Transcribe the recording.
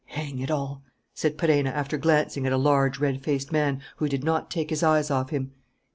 "Hang it all!" said Perenna, after glancing at a large red faced man who did not take his eyes off him.